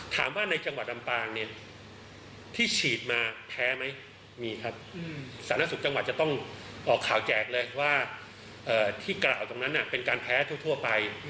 ถามว่าในจังหวัดลำปางเนี่ยที่ฉีดมาแพ้ไหมมีครับสาธารณสุขจังหวัดจะต้องออกข่าวแจกเลยว่าที่กล่าวตรงนั้นเป็นการแพ้ทั่วไป